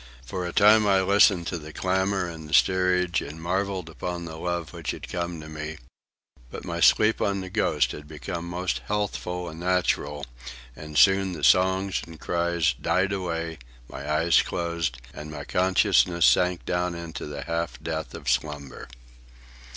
For a time I listened to the clamour in the steerage and marvelled upon the love which had come to me; but my sleep on the Ghost had become most healthful and natural, and soon the songs and cries died away, my eyes closed, and my consciousness sank down into the half death of slumber.